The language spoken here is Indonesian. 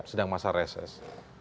sedang masa reses